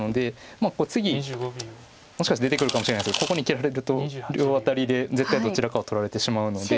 まあ次もしかして出てくるかもしれないですけどここに切られると両アタリで絶対どちらかは取られてしまうので。